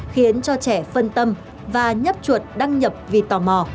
khiến cho trẻ phân tâm và nhấp chuột đăng nhập vì tò mò